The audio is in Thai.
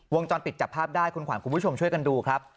วงจรปิดจับภาพได้คุณขวัญคุณผู้ชมช่วยกันดูครับ